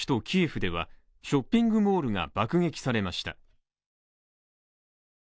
キエフではショッピングモールが爆撃されました。